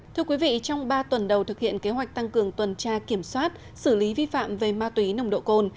thưa quý vị trong ba tuần đầu thực hiện kế hoạch tăng cường tuần tra kiểm soát xử lý vi phạm về ma túy nồng độ cồn